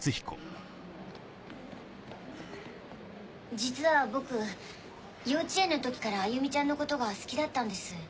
実は僕幼稚園の時から歩美ちゃんのことが好きだったんです。